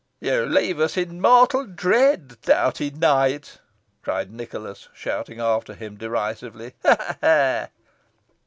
"You leave us in mortal dread, doughty knight," cried Nicholas, shouting after him, derisively "ha! ha! ha!"